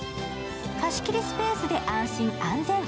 貸し切りスペースで安心安全。